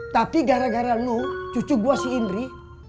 tapi gara gara nu cucu gue si indri